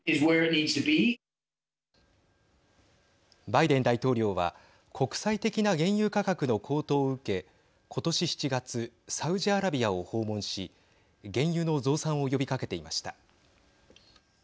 バイデン大統領は国際的な原油価格の高騰を受け今年７月サウジアラビアを訪問し原油の増産を呼びかけていました。